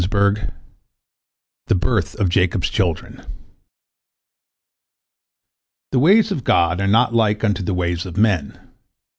THE BIRTH OF JACOB'S CHILDREN The ways of God are not like unto the ways of men.